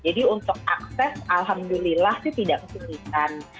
jadi untuk akses alhamdulillah sih tidak kesulitan